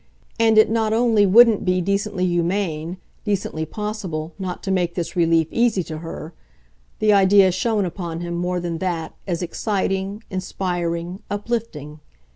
And it not only wouldn't be decently humane, decently possible, not to make this relief easy to her the idea shone upon him, more than that, as exciting, inspiring, uplifting.